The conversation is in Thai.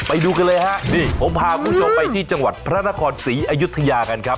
ไปดูกันเลยฮะนี่ผมพาคุณผู้ชมไปที่จังหวัดพระนครศรีอยุธยากันครับ